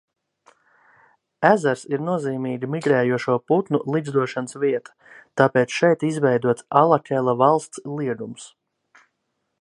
Ezers ir nozīmīga migrējošo putnu ligzdošanas vieta, tāpēc šeit izveidots Alakela valsts liegums.